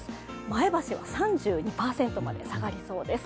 前橋は３２％まで下がりそうです。